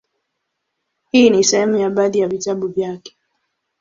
Hii ni sehemu ya baadhi ya vitabu vyake;